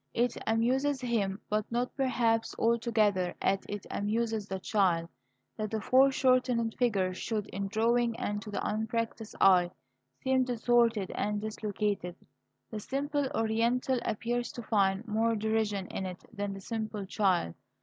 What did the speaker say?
It amuses him, but not perhaps altogether as it amuses the child, that the foreshortened figure should, in drawing and to the unpractised eye, seem distorted and dislocated; the simple Oriental appears to find more derision in it than the simple child.